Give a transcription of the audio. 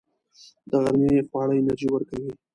د غرمې خواړه انرژي ورکوي